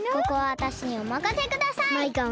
ここはわたしにおまかせください！